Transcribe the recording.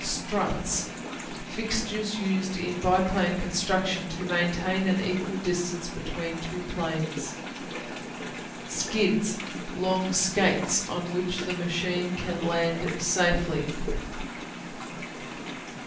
Struts Fixtures used in biplane construction to maintain an equal distance between two planes. Skids Long skates on which the machine can land in safety.